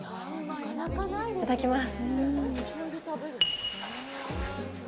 いただきます！